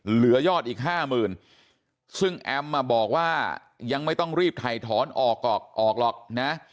เหลือยอดอีกห้าหมื่นซึ่งแอมบอกว่ายังไม่ต้องรีบถ่ายถอนออกออกหรอกนะ